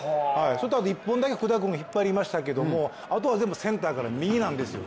それと１本だけ福田君が引っ張りましたけど、あとは全部センターから右なんですよ。